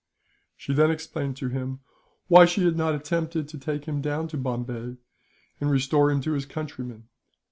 She then explained to him why she had not attempted to take him down to Bombay, and restore him to his countrymen.